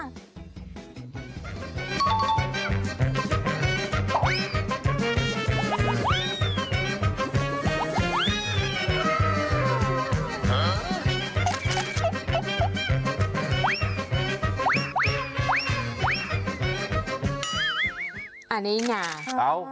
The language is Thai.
อันนี้อย่างน่าเอ้า